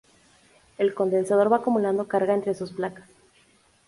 El condensador va acumulando carga entre sus placas.